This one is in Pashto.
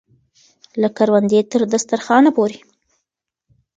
له کروندې تر دسترخانه پورې.